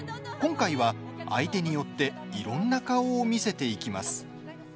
今回は、相手によっていろんな顔を見せていきます。